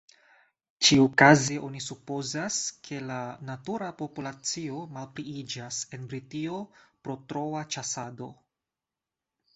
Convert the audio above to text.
Ĉiukaze oni supozas, ke la "natura" populacio malpliiĝas en Britio pro troa ĉasado.